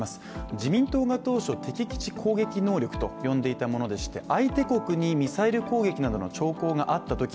自民党が当初、敵基地攻撃能力と呼んでいたものでして相手国にミサイル攻撃などの兆候があったとき